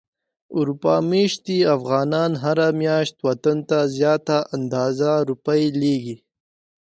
اروپا ميشتي افغانان هره مياشت وطن ته زياته اندازه روپی ليږي.